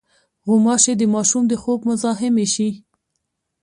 غوماشې د ماشوم د خوب مزاحمې شي.